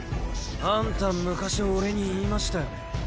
あんた昔俺に言いましたよね。